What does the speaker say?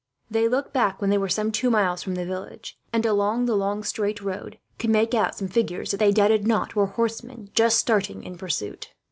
They looked back, when they were some two miles from the village, and along the long straight road could make out some figures that they doubted not were horsemen, just starting in pursuit.